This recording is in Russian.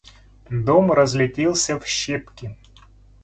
Дом разлетелся в щепки.